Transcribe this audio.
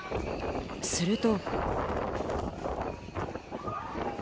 すると。